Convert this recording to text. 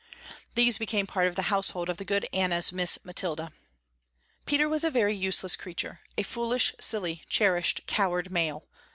These became part of the household of the good Anna's Miss Mathilda. Peter was a very useless creature, a foolish, silly, cherished, coward male.